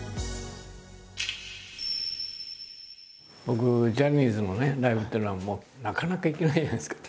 僕ジャニーズのライブっていうのはなかなか行けないじゃないですか？